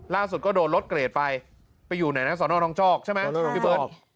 ล่าสุดก็โดนลดเกรดไปไปอยู่ไหนนะสนนจอกใช่ไหมพี่เบิร์ด